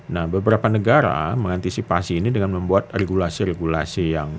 nah beberapa negara mengantisipasi ini dengan membuat regulasi regulasi yang